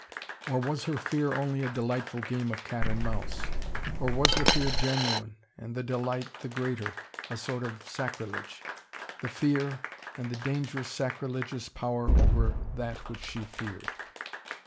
Or was her fear only a delightful game of cat and mouse? Or was the fear genuine, and the delight the greater: a sort of sacrilege? The fear, and the dangerous, sacrilegious power over that which she feared.